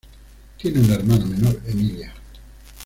Tiene una hermana menor, Emilia.